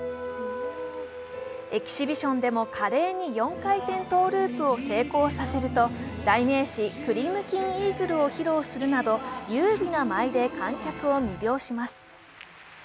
エキシビションでも華麗に４回転トゥループを成功させると、代名詞、クリムキンイーグルを披露するなど優美な舞で観客を魅了します。